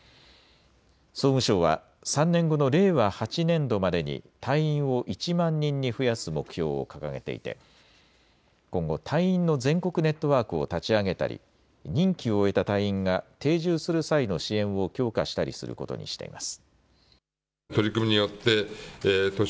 総務省は３年後の令和８年度までに隊員を１万人に増やす目標を掲げていて今後、隊員の全国ネットワークを立ち上げたり任期を終えた隊員が定住する際の支援を強化したりすることにしています。